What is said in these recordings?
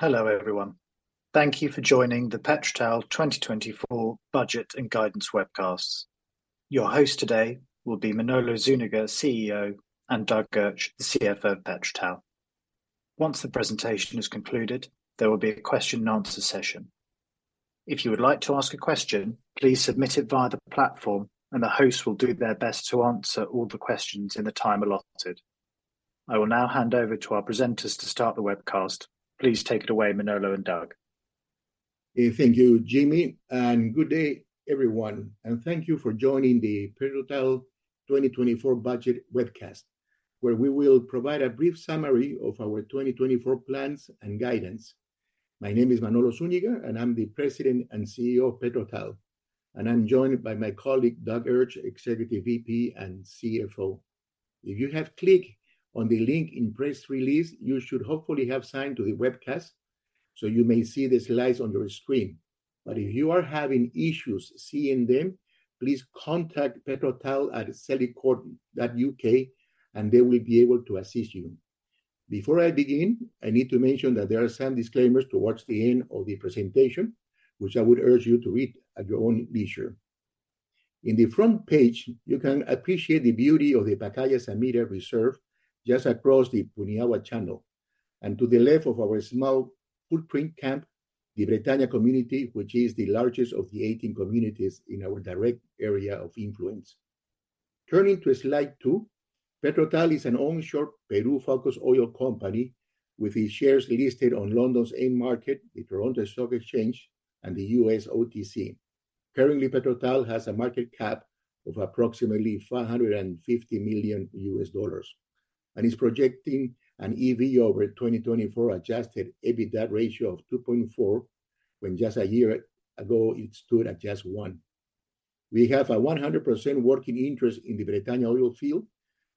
Hello, everyone. Thank you for joining the PetroTal 2024 budget and guidance webcasts. Your host today will be Manolo Zúñiga, CEO, and Doug Urch, the CFO of PetroTal. Once the presentation is concluded, there will be a question and answer session. If you would like to ask a question, please submit it via the platform, and the host will do their best to answer all the questions in the time allotted. I will now hand over to our presenters to start the webcast. Please take it away, Manolo and Doug. Thank you, Jimmy, and good day everyone, and thank you for joining the PetroTal 2024 budget webcast, where we will provide a brief summary of our 2024 plans and guidance. My name is Manolo Zúñiga, and I'm the President and CEO of PetroTal, and I'm joined by my colleague, Doug Urch, Executive VP and CFO. If you have clicked on the link in press release, you should hopefully have signed to the webcast, so you may see the slides on your screen. But if you are having issues seeing them, please contact PetroTal at celicourt.uk, and they will be able to assist you. Before I begin, I need to mention that there are some disclaimers towards the end of the presentation, which I would urge you to read at your own leisure. In the front page, you can appreciate the beauty of the Pacaya Samiria Reserve, just across the Puinahua Channel, and to the left of our small footprint camp, the Bretaña community, which is the largest of the 18 communities in our direct area of influence. Turning to Slide 2, PetroTal is an onshore Peru-focused oil company with its shares listed on London's AIM market, the Toronto Stock Exchange, and the US OTC. Currently, PetroTal has a market cap of approximately $550 million, and is projecting an EV over 2024 adjusted EBITDA ratio of 2.4, when just a year ago it stood at just 1. We have a 100% working interest in the Bretaña oil field,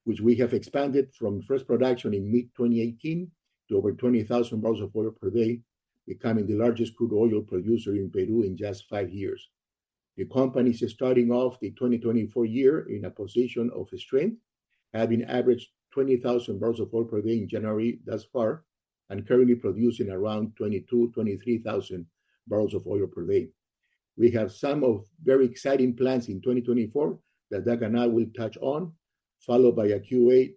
which we have expanded from first production in mid-2018 to over 20,000 barrels of oil per day, becoming the largest crude oil producer in Peru in just five years. The company is starting off the 2024 year in a position of strength, having averaged 20,000 barrels of oil per day in January thus far, and currently producing around 22,000-23,000 barrels of oil per day. We have some very exciting plans in 2024 that Doug and I will touch on, followed by a Q&A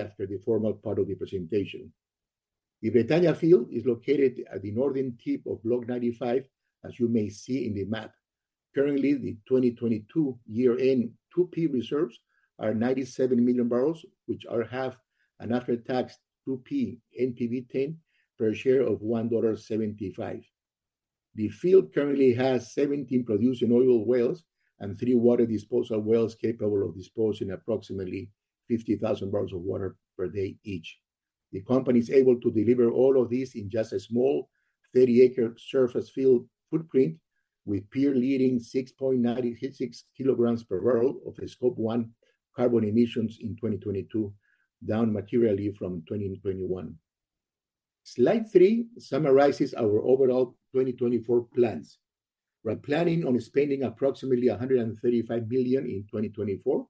after the formal part of the presentation. The Bretaña field is located at the northern tip of Block 95, as you may see in the map. Currently, the 2022 year-end 2P reserves are 97 million barrels, which are half an after-tax 2P NPV-10 per share of $1.75. The field currently has 17 producing oil wells and three water disposal wells capable of disposing approximately 50,000 barrels of water per day each. The company is able to deliver all of this in just a small 30-acre surface field footprint, with peer-leading 6.96 kilograms per barrel of Scope 1 carbon emissions in 2022, down materially from 2021. Slide 3 summarizes our overall 2024 plans. We're planning on spending approximately $135 million in 2024,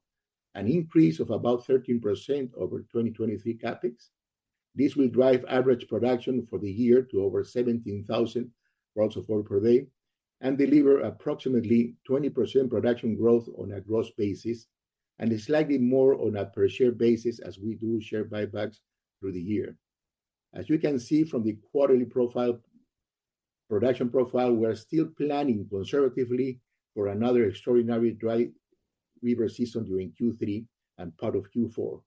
an increase of about 13% over 2023 CapEx. This will drive average production for the year to over 17,000 barrels of oil per day and deliver approximately 20% production growth on a gross basis, and slightly more on a per-share basis as we do share buybacks through the year. As you can see from the quarterly profile - production profile, we are still planning conservatively for another extraordinary dry river season during Q3 and part of Q4,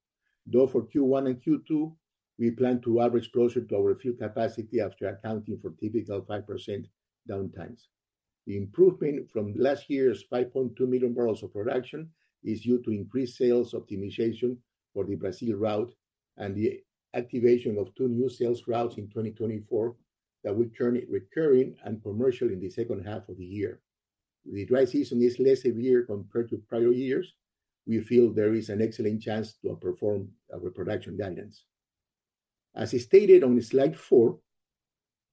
though for Q1 and Q2, we plan to average closer to our full capacity after accounting for typical 5% downtimes. The improvement from last year's 5.2 million barrels of production is due to increased sales optimization for the Brazil route and the activation of two new sales routes in 2024 that will turn it recurring and commercial in the second half of the year. The dry season is less severe compared to prior years. We feel there is an excellent chance to outperform our production guidance. As stated on Slide 4,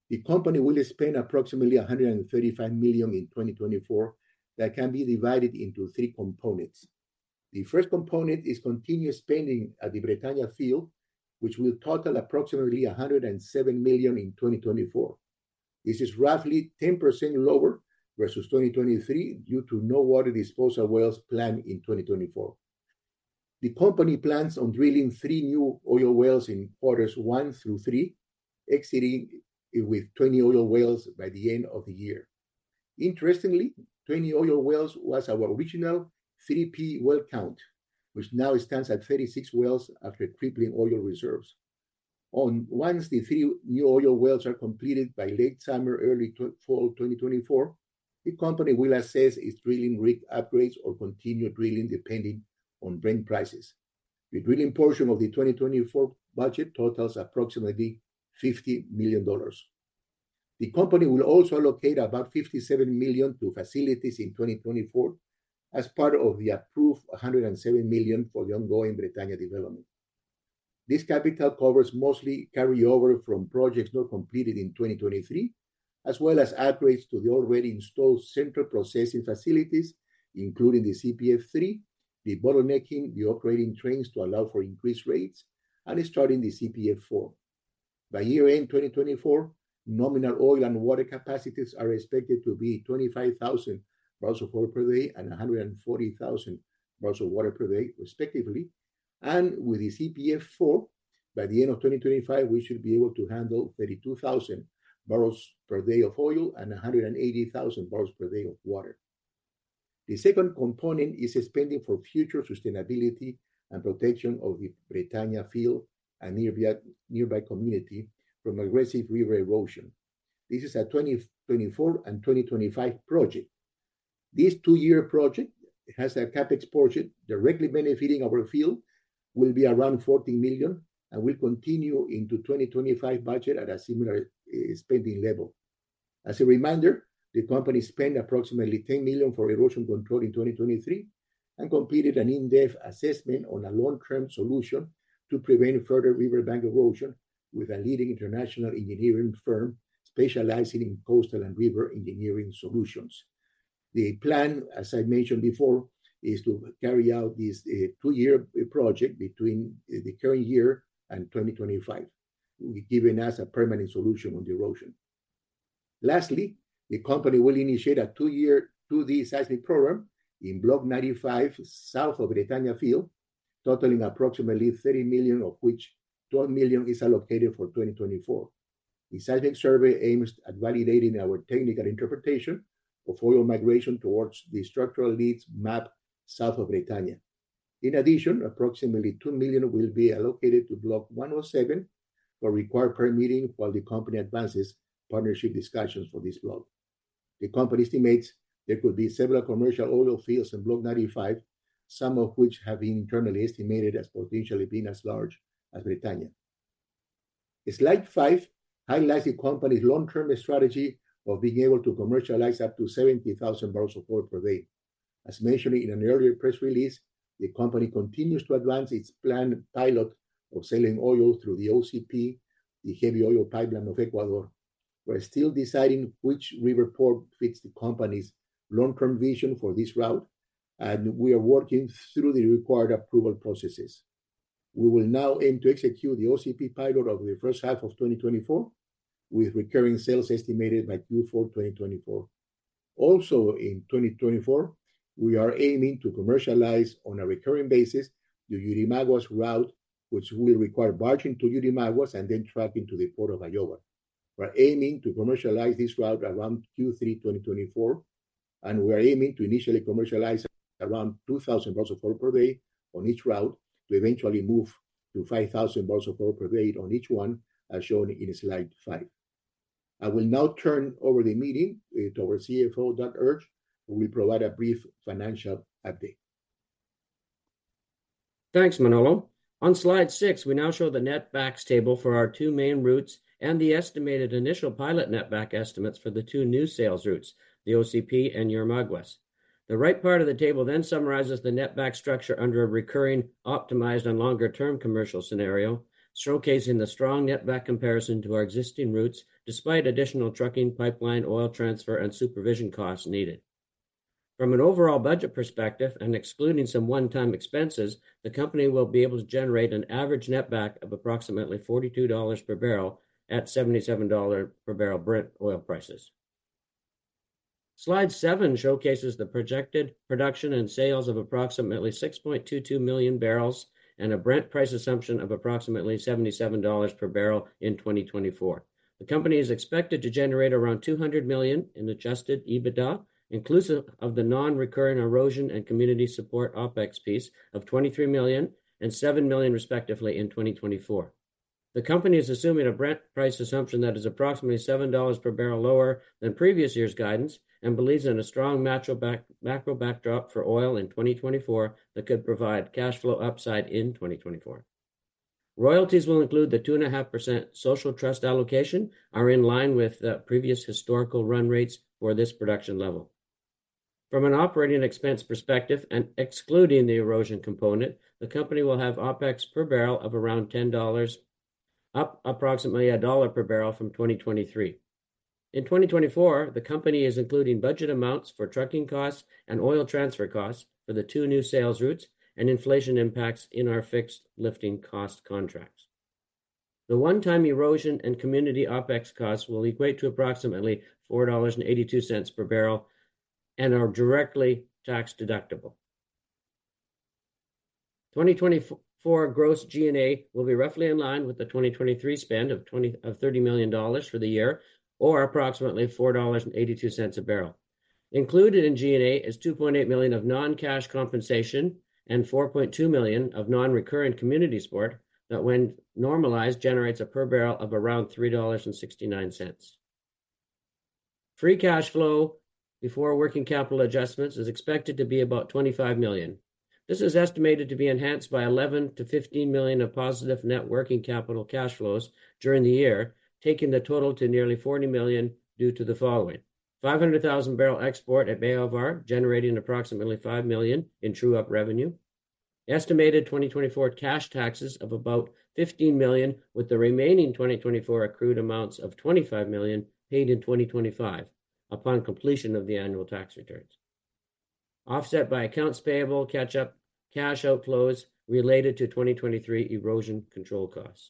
the company will spend approximately $135 million in 2024. That can be divided into three components. The first component is continuous spending at the Bretaña field, which will total approximately $107 million in 2024. This is roughly 10% lower versus 2023 due to no water disposal wells planned in 2024. The company plans on drilling three new oil wells in quarters one through three, exiting with 20 oil wells by the end of the year. Interestingly, 20 oil wells was our original 3P well count, which now stands at 36 wells after reclassifying oil reserves. Once the three new oil wells are completed by late summer, early fall, 2024, the company will assess its drilling rig upgrades or continue drilling, depending on Brent prices. The drilling portion of the 2024 budget totals approximately $50 million. The company will also allocate about $57 million to facilities in 2024 as part of the approved $107 million for the ongoing Bretaña development. This capital covers mostly carryover from projects not completed in 2023, as well as upgrades to the already installed central processing facilities, including the CPF3, debottlenecking, the operating trains to allow for increased rates, and starting the CPF4. By year-end 2024, nominal oil and water capacities are expected to be 25,000 barrels of oil per day and 140,000 barrels of water per day, respectively. And with the CPF4, by the end of 2025, we should be able to handle 32,000 barrels per day of oil and 180,000 barrels per day of water. The second component is spending for future sustainability and protection of the Bretaña field and nearby, nearby community from aggressive river erosion. This is a 2024 and 2025 project. This two-year project, it has a CapEx portion directly benefiting our field, will be around $40 million and will continue into 2025 budget at a similar spending level. As a reminder, the company spent approximately $10 million for erosion control in 2023, and completed an in-depth assessment on a long-term solution to prevent further riverbank erosion with a leading international engineering firm specializing in coastal and river engineering solutions. The plan, as I mentioned before, is to carry out this 2-year project between the current year and 2025, giving us a permanent solution on the erosion. Lastly, the company will initiate a 2-year 2D seismic program in Block 95, south of Bretaña field, totaling approximately $30 million, of which $12 million is allocated for 2024. The seismic survey aims at validating our technical interpretation of oil migration towards the structural leads map south of Bretaña. In addition, approximately $2 million will be allocated to Block 107, for required permitting while the company advances partnership discussions for this block. The company estimates there could be several commercial oil fields in Block 95, some of which have been internally estimated as potentially being as large as Bretaña. Slide 5 highlights the company's long-term strategy of being able to commercialize up to 70,000 barrels of oil per day. As mentioned in an earlier press release, the company continues to advance its planned pilot of selling oil through the OCP, the heavy oil pipeline of Ecuador. We're still deciding which river port fits the company's long-term vision for this route, and we are working through the required approval processes. We will now aim to execute the OCP pilot over the first half of 2024, with recurring sales estimated by Q4 2024. Also, in 2024, we are aiming to commercialize on a recurring basis, the Yurimaguas route, which will require barging to Yurimaguas and then trucking to the Port of Ilo. We're aiming to commercialize this route around Q3 2024, and we're aiming to initially commercialize around 2,000 barrels of oil per day on each route, to eventually move to 5,000 barrels of oil per day on each one, as shown in Slide 5. I will now turn over the meeting to our CFO, Doug Urch, who will provide a brief financial update. Thanks, Manolo. On Slide 6, we now show the netbacks table for our two main routes and the estimated initial pilot netback estimates for the two new sales routes, the OCP and Yurimaguas. The right part of the table then summarizes the netback structure under a recurring, optimized, and longer-term commercial scenario, showcasing the strong netback comparison to our existing routes, despite additional trucking, pipeline, oil transfer, and supervision costs needed. From an overall budget perspective and excluding some one-time expenses, the company will be able to generate an average netback of approximately $42 per barrel at $77 per barrel Brent oil prices. Slide 7 showcases the projected production and sales of approximately 6.22 million barrels, and a Brent price assumption of approximately $77 per barrel in 2024. The company is expected to generate around $200 million in adjusted EBITDA, inclusive of the non-recurring erosion and community support OpEx piece of $23 million and $7 million, respectively, in 2024. The company is assuming a Brent price assumption that is approximately $7 per barrel lower than previous year's guidance, and believes in a strong macro backdrop for oil in 2024, that could provide cash flow upside in 2024. Royalties will include the 2.5% Social Trust allocation, are in line with previous historical run rates for this production level. From an operating expense perspective and excluding the erosion component, the company will have OpEx per barrel of around $10, up approximately $1 per barrel from 2023. In 2024, the company is including budget amounts for trucking costs and oil transfer costs for the two new sales routes and inflation impacts in our fixed lifting cost contracts. The one-time erosion and community OpEx costs will equate to approximately $4.82 per barrel, and are directly tax-deductible. 2024 gross G&A will be roughly in line with the 2023 spend of $30 million for the year, or approximately $4.82 a barrel. Included in G&A is $2.8 million of non-cash compensation and $4.2 million of non-recurrent community support, that when normalized, generates a per barrel of around $3.69. Free cash flow before working capital adjustments is expected to be about $25 million. This is estimated to be enhanced by $11-$15 million of positive net working capital cash flows during the year, taking the total to nearly $40 million due to the following: 500,000 barrel export at Bayóvar, generating approximately $5 million in true-up revenue estimated 2024 cash taxes of about $15 million, with the remaining 2024 accrued amounts of $25 million paid in 2025 upon completion of the annual tax returns. Offset by accounts payable, catch-up cash outflows related to 2023 erosion control costs.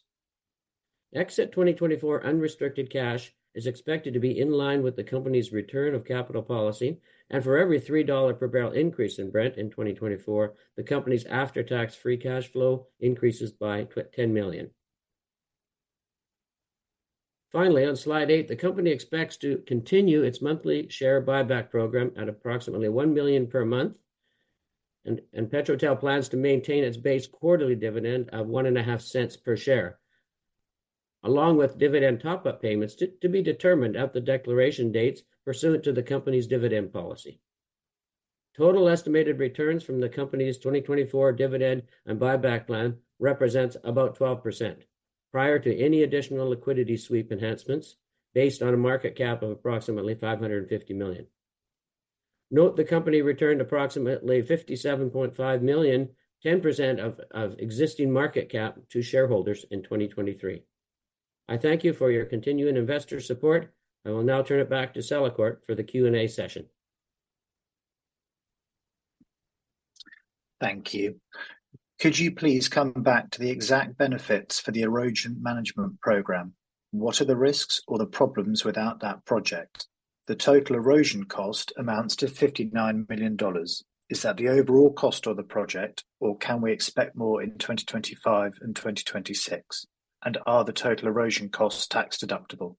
Exit 2024 unrestricted cash is expected to be in line with the company's return of capital policy, and for every $3 per barrel increase in Brent in 2024, the company's after-tax free cash flow increases by ten million. Finally, on Slide 8, the company expects to continue its monthly share buyback program at approximately $1 million per month, and PetroTal plans to maintain its base quarterly dividend of $0.015 per share, along with dividend top-up payments to be determined at the declaration dates pursuant to the company's dividend policy. Total estimated returns from the company's 2024 dividend and buyback plan represents about 12%, prior to any additional liquidity sweep enhancements, based on a market cap of approximately $550 million. Note: the company returned approximately $57.5 million, 10% of existing market cap, to shareholders in 2023. I thank you for your continuing investor support, I will now turn it back to Celicourt for the Q&A session. Thank you. Could you please come back to the exact benefits for the erosion management program? What are the risks or the problems without that project? The total erosion cost amounts to $59 million. Is that the overall cost of the project, or can we expect more in 2025 and 2026? And are the total erosion costs tax-deductible?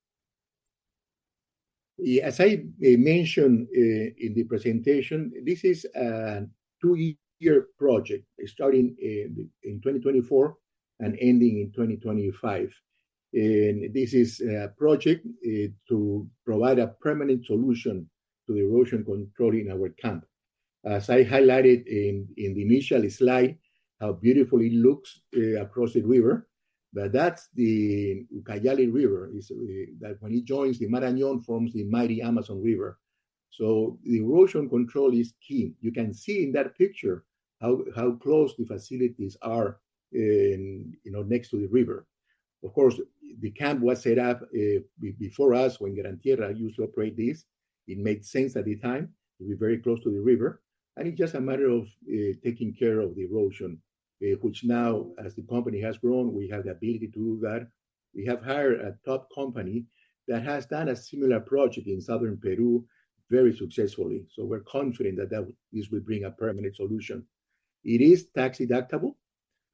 Yeah, as I mentioned in the presentation, this is a two-year project starting in 2024 and ending in 2025. And this is a project to provide a permanent solution to the erosion control in our camp. As I highlighted in the initial slide, how beautiful it looks across the river, but that's the Ucayali River, that when it joins the Marañón forms the mighty Amazon River. So the erosion control is key. You can see in that picture how close the facilities are, you know, next to the river. Of course, the camp was set up before us when Gran Tierra used to operate this. It made sense at the time to be very close to the river, and it's just a matter of taking care of the erosion, which now, as the company has grown, we have the ability to do that. We have hired a top company that has done a similar project in southern Peru very successfully, so we're confident that that this will bring a permanent solution. It is tax-deductible,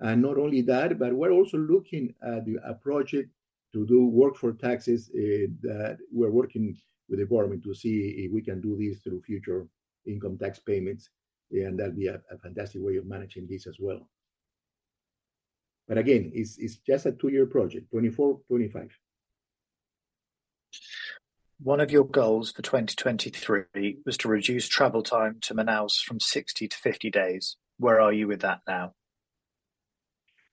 and not only that, but we're also looking at a project to do work for taxes that we're working with the government to see if we can do this through future income tax payments, and that'll be a fantastic way of managing this as well. But again, it's just a two-year project, 2024, 2025. One of your goals for 2023 was to reduce travel time to Manaus from 60 to 50 days. Where are you with that now?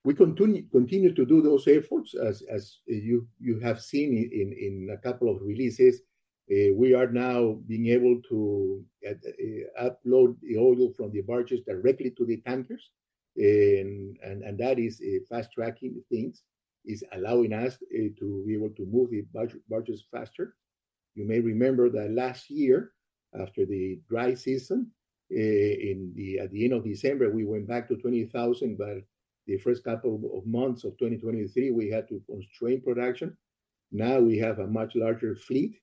We continue to do those efforts. As you have seen in a couple of releases, we are now being able to upload the oil from the barges directly to the tankers. And that is fast-tracking things, is allowing us to be able to move the barges faster. You may remember that last year, after the dry season, at the end of December, we went back to 20,000, but the first couple of months of 2023, we had to constrain production. Now we have a much larger fleet,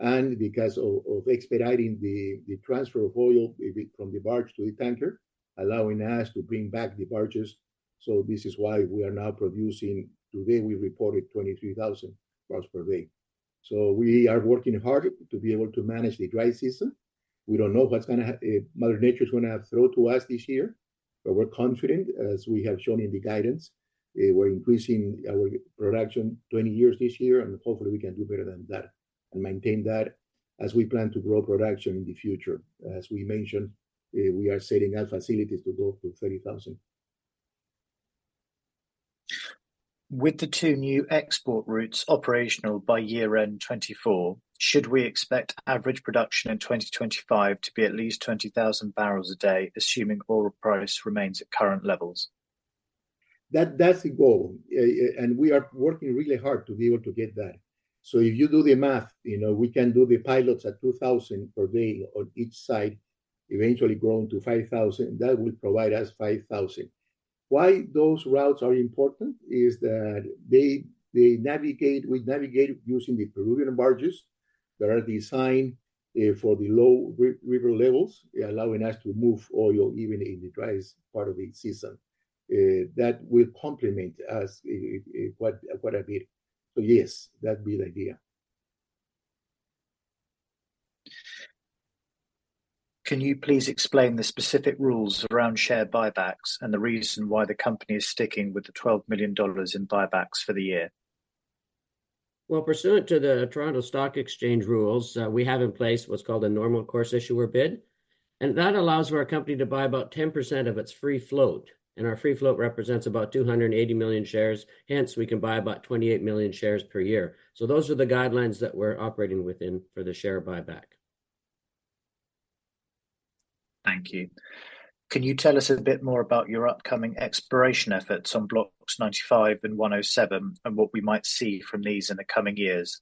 and because of expediting the transfer of oil from the barge to the tanker, allowing us to bring back the barges. So this is why we are now producing. Today, we reported 23,000 barrels per day. So we are working hard to be able to manage the dry season. We don't know what's gonna, Mother Nature's gonna throw to us this year, but we're confident, as we have shown in the guidance, we're increasing our production 20 years this year, and hopefully we can do better than that, and maintain that as we plan to grow production in the future. As we mentioned, we are setting up facilities to go to 30,000. With the two new export routes operational by year-end 2024, should we expect average production in 2025 to be at least 20,000 barrels a day, assuming oil price remains at current levels? That, that's the goal. And we are working really hard to be able to get that. So if you do the math, you know, we can do the pilots at 2,000 per day on each side, eventually growing to 5,000, that would provide us 5,000. Why those routes are important is that they navigate—we navigate using the Peruvian barges that are designed for the low river levels, allowing us to move oil even in the driest part of the season. That will complement what I did. So yes, that's the idea. Can you please explain the specific rules around share buybacks and the reason why the company is sticking with the $12 million in buybacks for the year? Well, pursuant to the Toronto Stock Exchange rules, we have in place what's called a Normal Course Issuer Bid, and that allows for our company to buy about 10% of its free float, and our free float represents about 280 million shares, hence, we can buy about 28 million shares per year. So those are the guidelines that we're operating within for the share buyback. Thank you. Can you tell us a bit more about your upcoming exploration efforts on Blocks 95 and 107, and what we might see from these in the coming years?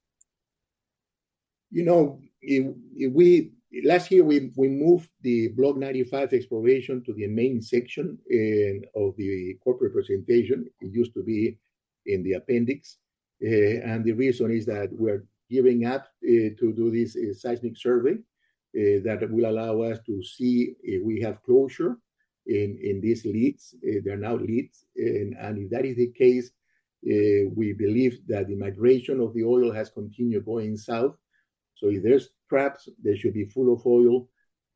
You know, if we last year we moved the Block 95 exploration to the main section of the corporate presentation. It used to be in the appendix. The reason is that we're giving up to do this seismic survey that will allow us to see if we have closure in these leads. They're now leads, and if that is the case, we believe that the migration of the oil has continued going south. So if there's traps, they should be full of oil.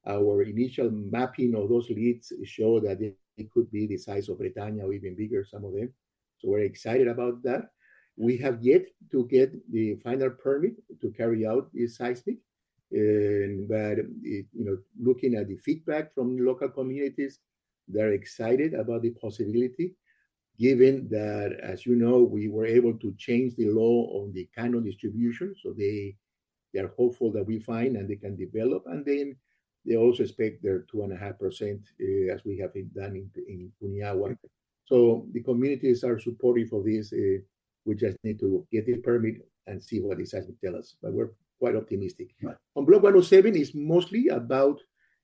Our initial mapping of those leads show that it could be the size of Bretaña or even bigger, some of them, so we're excited about that. We have yet to get the final permit to carry out the seismic, but you know, looking at the feedback from local communities, they're excited about the possibility, given that, as you know, we were able to change the law on the canon distribution. So they, they're hopeful that we find and they can develop, and then they also expect their 2.5%, as we have done in Puinahua. So the communities are supportive of this, we just need to get the permit and see what the seismic tell us, but we're quite optimistic. Right. On Block 107 is mostly about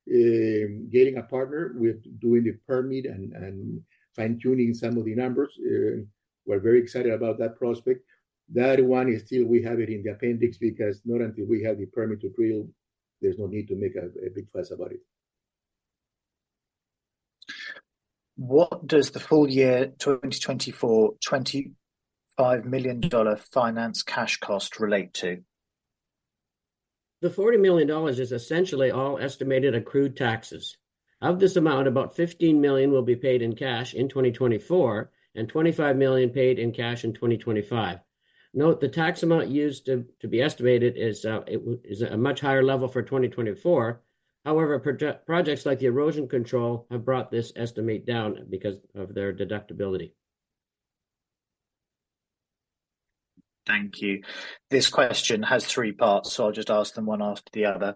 getting a partner with doing the permit and fine-tuning some of the numbers. We're very excited about that prospect. That one is still we have it in the appendix, because not until we have the permit to drill, there's no need to make a big fuss about it. What does the full year 2024 $25 million finance cash cost relate to? The $40 million is essentially all estimated accrued taxes. Of this amount, about $15 million will be paid in cash in 2024, and $25 million paid in cash in 2025. Note, the tax amount used to be estimated is a much higher level for 2024. However, projects like the erosion control have brought this estimate down because of their deductibility. Thank you. This question has three parts, so I'll just ask them one after the other.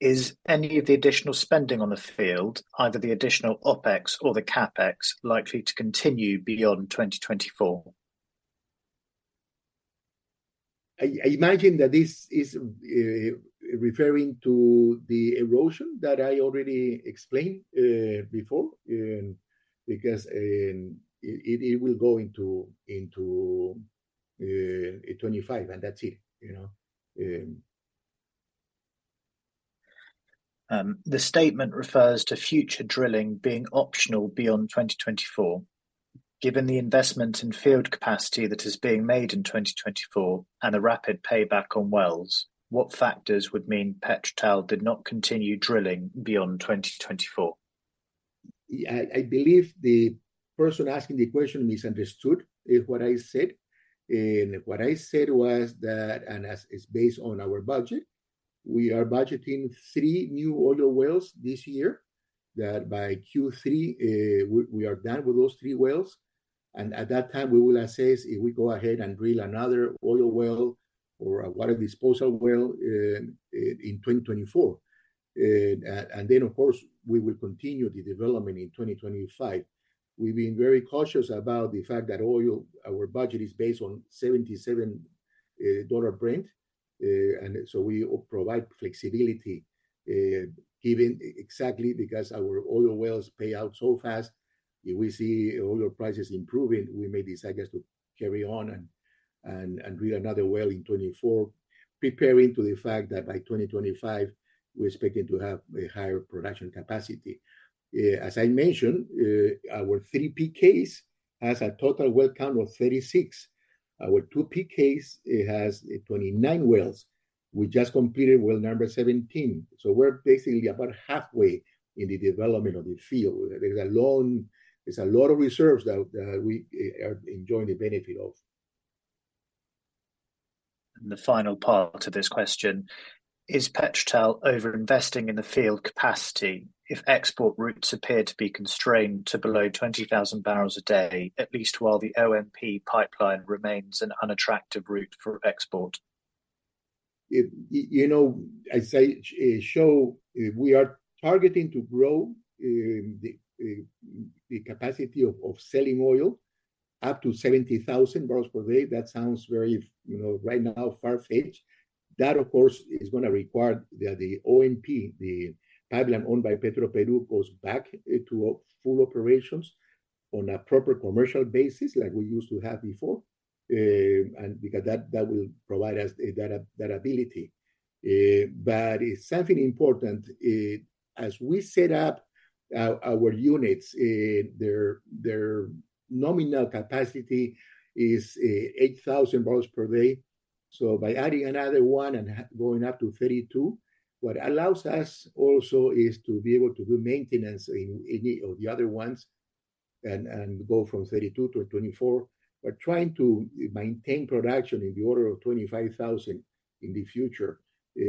Is any of the additional spending on the field, either the additional OpEx or the CapEx, likely to continue beyond 2024? I imagine that this is referring to the erosion that I already explained before, because it will go into 25, and that's it, you know. The statement refers to future drilling being optional beyond 2024. Given the investment in field capacity that is being made in 2024 and the rapid payback on wells, what factors would mean PetroTal did not continue drilling beyond 2024? Yeah, I believe the person asking the question misunderstood what I said. And what I said was that, and as is based on our budget, we are budgeting three new oil wells this year. That by Q3, we are done with those three wells, and at that time, we will assess if we go ahead and drill another oil well or a water disposal well, in 2024. And then, of course, we will continue the development in 2025. We've been very cautious about the fact that oil, our budget, is based on $77 Brent, and so we provide flexibility, given. Exactly because our oil wells pay out so fast, if we see oil prices improving, we may decide, I guess, to carry on and drill another well in 2024, preparing to the fact that by 2025 we're expecting to have a higher production capacity. As I mentioned, our 3P case has a total well count of 36. Our 2P case, it has 29 wells. We just completed well number 17, so we're basically about halfway in the development of the field. There's a lot. There's a lot of reserves that we are enjoying the benefit of. The final part to this question: Is PetroTal over-investing in the field capacity if export routes appear to be constrained to below 20,000 barrels a day, at least while the ONP pipeline remains an unattractive route for export? We are targeting to grow the capacity of selling oil up to 70,000 barrels per day. That sounds very, you know, right now, far-fetched. That, of course, is gonna require that the ONP, the pipeline owned by PetroPerú, goes back to full operations on a proper commercial basis like we used to have before. And because that will provide us that ability. But something important, as we set up our units, their nominal capacity is 8,000 barrels per day. So by adding another one and going up to 32, what allows us also is to be able to do maintenance in any of the other ones, and go from 32 to 24. We're trying to maintain production in the order of 25,000 in the future,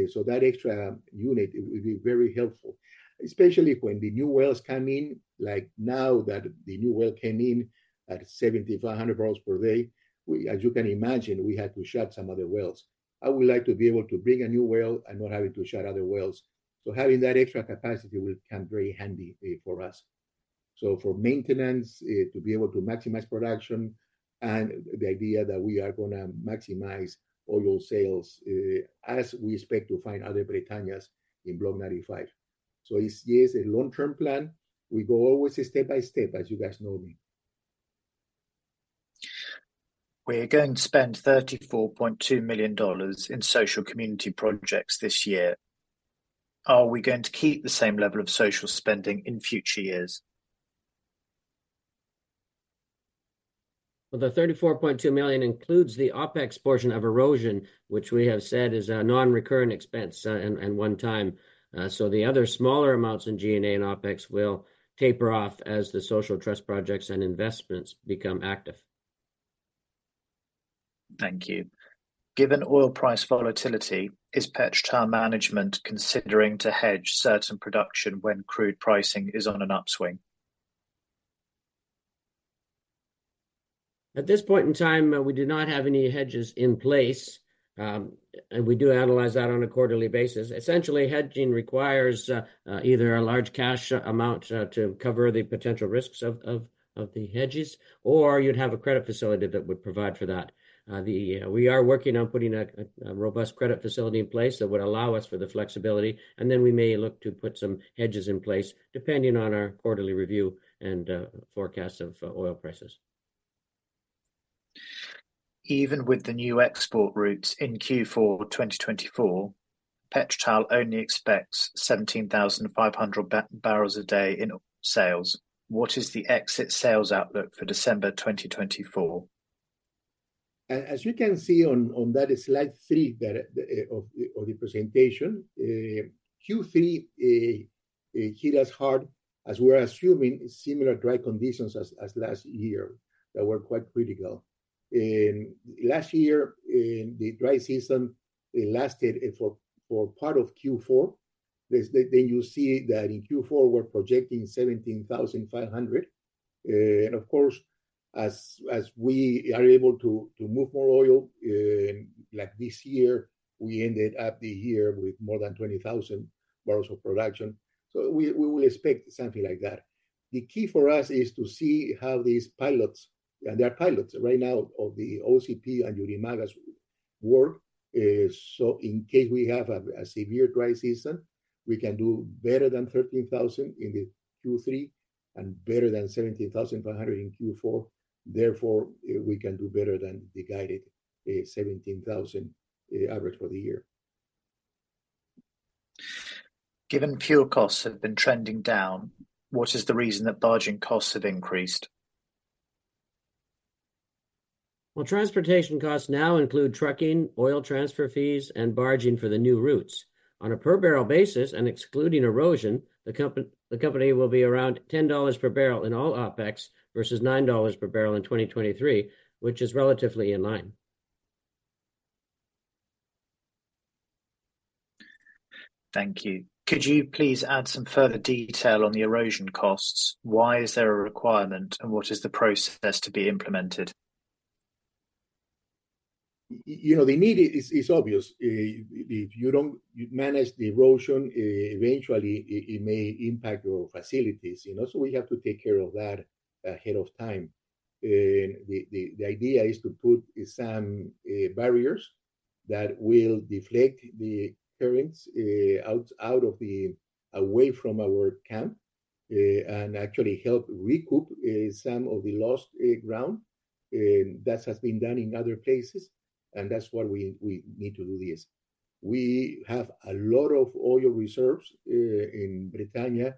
so that extra unit, it will be very helpful. Especially when the new wells come in, like now that the new well came in at 7,500 barrels per day, we. As you can imagine, we had to shut some other wells. I would like to be able to bring a new well and not having to shut other wells, so having that extra capacity will come very handy for us. So for maintenance, to be able to maximize production, and the idea that we are gonna maximize oil sales, as we expect to find other Bretañas in Block 95. So it's, yeah, it's a long-term plan. We go always step by step, as you guys know me. We're going to spend $34.2 million in social community projects this year. Are we going to keep the same level of social spending in future years? Well, the $34.2 million includes the OpEx portion of erosion, which we have said is a non-recurrent expense, and one time. So the other smaller amounts in G&A and OpEx will taper off as the Social Trust projects and investments become active. Thank you. Given oil price volatility, is PetroTal management considering to hedge certain production when crude pricing is on an upswing? At this point in time, we do not have any hedges in place. We do analyze that on a quarterly basis. Essentially, hedging requires either a large cash amount to cover the potential risks of the hedges, or you'd have a credit facility that would provide for that. We are working on putting a robust credit facility in place that would allow us for the flexibility, and then we may look to put some hedges in place, depending on our quarterly review and forecast of oil prices. Even with the new export routes in Q4 2024, PetroTal only expects 17,500 barrels a day in oil sales. What is the exit sales outlook for December 2024? As you can see on that Slide 3, the overview of the presentation, Q3 hit as hard as we're assuming similar dry conditions as last year that were quite critical. In last year, in the dry season, it lasted for part of Q4. Then you see that in Q4, we're projecting 17,500, and of course, as we are able to move more oil, like this year, we ended up the year with more than 20,000 barrels of production. So we will expect something like that. The key for us is to see how these pilots, and they are pilots right now, of the OCP and Yurimaguas work, so in case we have a severe dry season, we can do better than 13,000 in the Q3 and better than 17,500 in Q4. Therefore, we can do better than the guided, 17,000, average for the year. Given fuel costs have been trending down, what is the reason that barging costs have increased? Well, transportation costs now include trucking, oil transfer fees, and barging for the new routes. On a per barrel basis, and excluding erosion, the company will be around $10 per barrel in all OpEx, versus $9 per barrel in 2023, which is relatively in line. Thank you. Could you please add some further detail on the erosion costs? Why is there a requirement, and what is the process to be implemented? You know, the need is obvious. If you don't manage the erosion, eventually, it may impact your facilities, you know, so we have to take care of that ahead of time. The idea is to put some barriers that will deflect the currents out away from our camp, and actually help recoup some of the lost ground. That has been done in other places, and that's what we need to do this. We have a lot of oil reserves in Bretaña.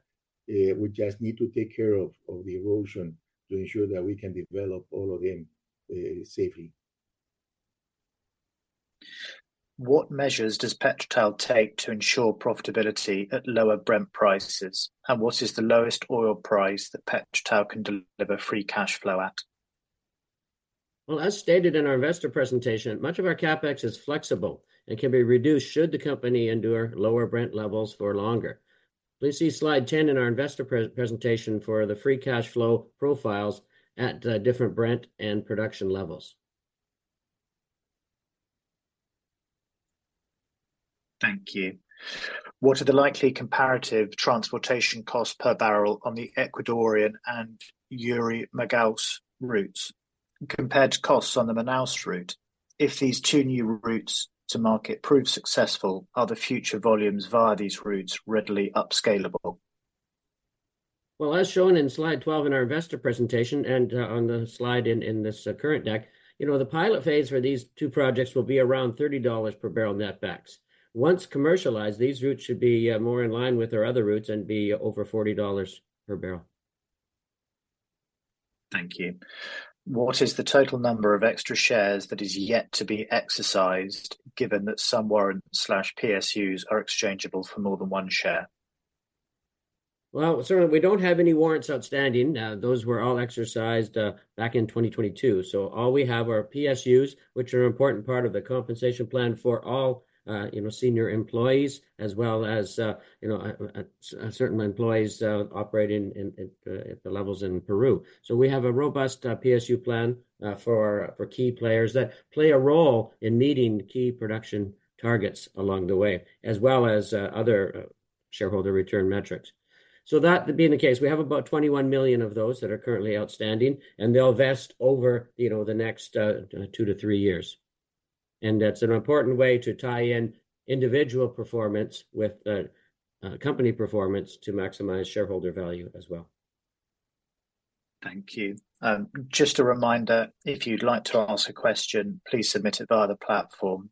We just need to take care of the erosion to ensure that we can develop all of them safely. What measures does PetroTal take to ensure profitability at lower Brent prices, and what is the lowest oil price that PetroTal can deliver free cash flow at? Well, as stated in our investor presentation, much of our CapEx is flexible and can be reduced should the company endure lower Brent levels for longer. Please see Slide 10 in our investor presentation for the free cash flow profiles at different Brent and production levels. Thank you. What are the likely comparative transportation costs per barrel on the Ecuadorian and Yurimaguas routes compared to costs on the Manaus route? If these two new routes to market prove successful, are the future volumes via these routes readily upscalable? Well, as shown in Slide 12 in our investor presentation, and on the slide in this current deck, you know, the pilot phase for these two projects will be around $30 per barrel netback. Once commercialized, these routes should be more in line with our other routes and be over $40 per barrel. Thank you. What is the total number of extra shares that is yet to be exercised, given that some warrants/PSUs are exchangeable for more than one share? Well, sir, we don't have any warrants outstanding. Those were all exercised back in 2022. So all we have are PSUs, which are an important part of the compensation plan for all, you know, senior employees, as well as, you know, certain employees operating in, at the levels in Peru. So we have a robust PSU plan for key players that play a role in meeting key production targets along the way, as well as other shareholder return metrics. So that being the case, we have about 21 million of those that are currently outstanding, and they'll vest over, you know, the next two-three years. And that's an important way to tie in individual performance with company performance to maximize shareholder value as well. Thank you. Just a reminder, if you'd like to ask a question, please submit it via the platform.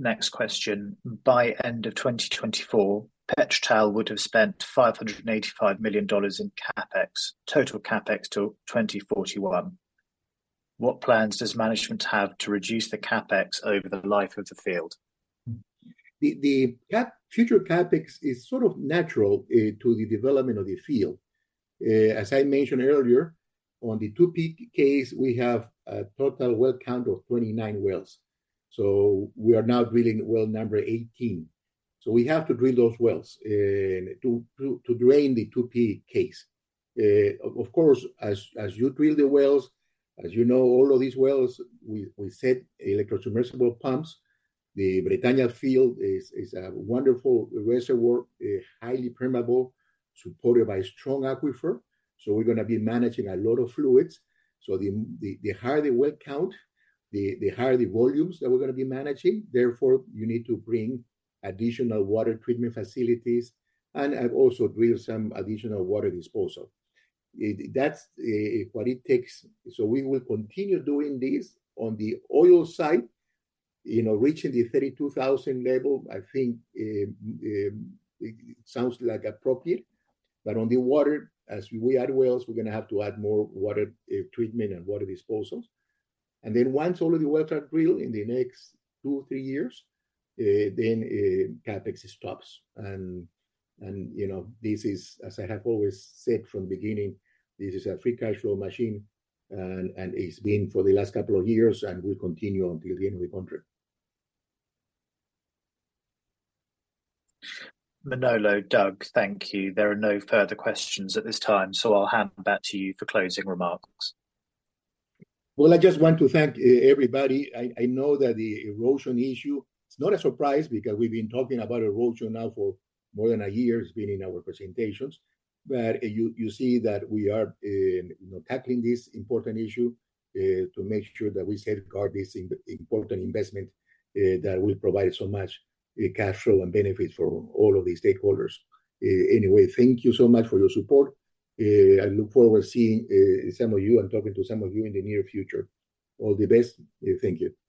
Next question, by end of 2024, PetroTal would have spent $585 million in CapEx, total CapEx till 2041. What plans does management have to reduce the CapEx over the life of the field? The future CapEx is sort of natural to the development of the field. As I mentioned earlier, on the 2P case, we have a total well count of 29 wells, so we are now drilling well number 18. So we have to drill those wells to drain the 2P case. Of course, as you drill the wells, as you know, all of these wells, we set electro-submersible pumps. The Bretaña field is a wonderful reservoir, highly permeable, supported by strong aquifer, so we're gonna be managing a lot of fluids. So the higher the well count, the higher the volumes that we're gonna be managing, therefore, you need to bring additional water treatment facilities and also drill some additional water disposal. That's what it takes. So we will continue doing this on the oil side, you know, reaching the 32,000 level, I think, it sounds like appropriate. But on the water, as we add wells, we're gonna have to add more water treatment and water disposals. And then once all of the wells are drilled in the next two-three years, then, CapEx stops. And, you know, this is, as I have always said from the beginning, this is a free cash flow machine, and it's been for the last couple of years, and will continue until the end of the contract. Manolo, Doug, thank you. There are no further questions at this time, so I'll hand back to you for closing remarks. Well, I just want to thank everybody. I know that the erosion issue, it's not a surprise because we've been talking about erosion now for more than a year. It's been in our presentations. But you see that we are, you know, tackling this important issue to make sure that we safeguard this important investment that will provide so much cash flow and benefits for all of the stakeholders. Anyway, thank you so much for your support. I look forward to seeing some of you and talking to some of you in the near future. All the best. Thank you.